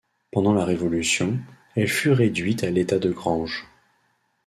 Pendant la Révolution, elle fut réduite à l'état de grange.